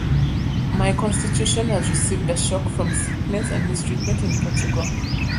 My constitution has received a shock from sickness and mistreatment in Portugal.